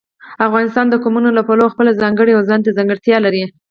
افغانستان د قومونه له پلوه خپله ځانګړې او ځانته ځانګړتیا لري.